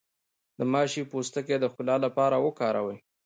د ماش پوستکی د ښکلا لپاره وکاروئ